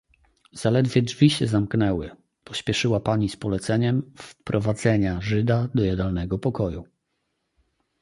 "Zaledwie drzwi się zamknęły, pośpieszyła pani z poleceniem wprowadzenia żyda do jadalnego pokoju."